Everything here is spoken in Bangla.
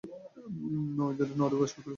নরওয়েজীয় নরওয়ের সরকারি ভাষা।